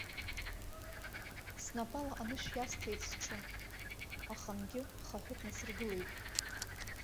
Снапала анышә иасҭеит сҽы, ахангьы хаҳәык насыргылеит.